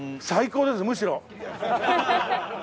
最高ですむしろ！